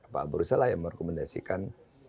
pak abu risa lah yang merekomendasikan